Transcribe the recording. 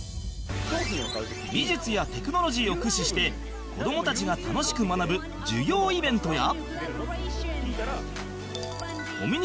美術やテクノロジーを駆使して子供たちが楽しく学ぶ授業イベントや